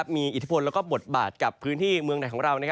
มีอิทธิพลและบทบาทกับพื้นที่เมืองไหนของเรา